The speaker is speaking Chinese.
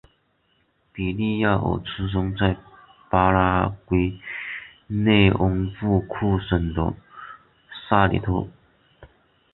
比利亚尔出生在巴拉圭涅恩布库省的塞里托。